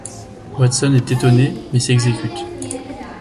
Watson est étonné mais s'exécute.